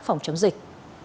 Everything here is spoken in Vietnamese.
phòng chống dịch